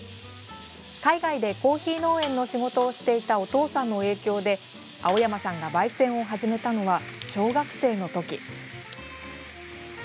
海外で、コーヒー農園の仕事をしていたお父さんの影響で青山さんが、ばい煎を始めたのは小学生の時。